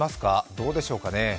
どうでしょうかね。